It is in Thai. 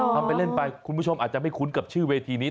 ทำไปเล่นไปคุณผู้ชมอาจจะไม่คุ้นกับชื่อเวทีนี้